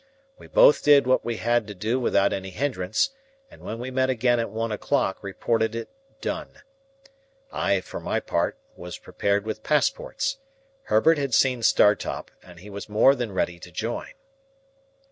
We both did what we had to do without any hindrance, and when we met again at one o'clock reported it done. I, for my part, was prepared with passports; Herbert had seen Startop, and he was more than ready to join.